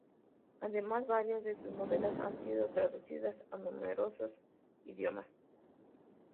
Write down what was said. Además, varias de sus novelas han sido traducidas a numerosos idiomas.